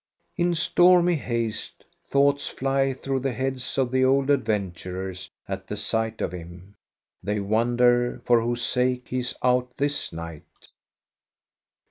In stormy haste thoughts fly through the heads of the old adventurers at the sight of him. They won der for whose sake he is out this night.